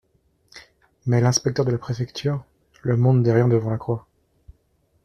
Mais l'inspecteur de la préfecture … Le monde n'est rien devant la croix.